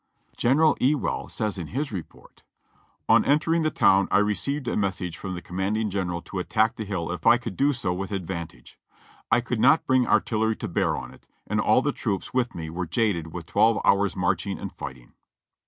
General Ewell says in his report: "On entering the town I received a message from the com manding general to attack the hill if I could do so with advan tage. I could not bring artillery to bear on it, and all the troops with me were jaded with twelve hours' marching and fighting."